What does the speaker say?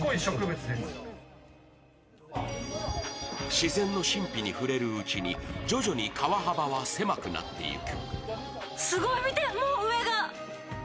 自然の神秘に触れるうちに徐々に川幅は狭くなっていく。